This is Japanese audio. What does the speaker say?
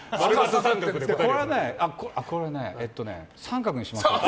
これはね、△にしましょう。